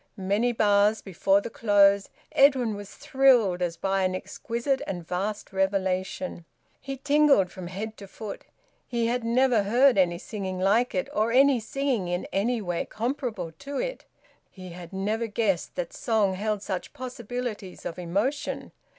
Many bars before the close Edwin was thrilled, as by an exquisite and vast revelation. He tingled from head to foot. He had never heard any singing like it, or any singing in any way comparable to it. He had never guessed that song held such possibilities of emotion.